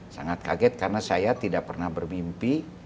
sangat kaget karena saya tidak pernah bermimpi